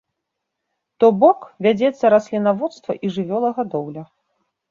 То бок вядзецца раслінаводства і жывёлагадоўля.